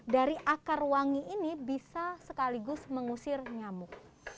dari akar wangi ini bisa sekaligus mengusir nyamuk